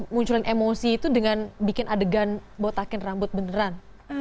munculin emosi itu dengan bikin adegan botakin rambut beneran